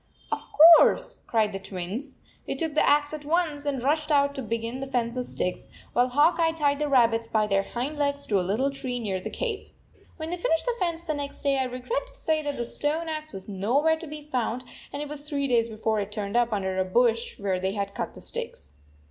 " Of course," cried the Twins. They took the axe at once and rushed out to begin the fence of sticks, while Hawk Eye tied the rabbits by their hind legs to a little tree near the cave. When they finished the fence the next day, I regret to say the stone axe was no where to be found, and it was three days before it turned up under a bush where they had cut sticks.